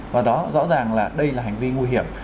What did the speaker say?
và đó rõ ràng là đây là hành vi nguy hiểm